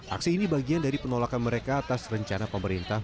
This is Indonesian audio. aksi ini bagian dari penolakan mereka atas rencana pemerintah